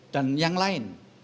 dan yang lain